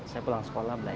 saya pulang sekolah belajar